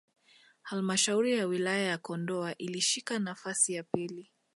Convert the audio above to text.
halmshauri ya wilaya ya Kondoa ilishika nafasi ya pili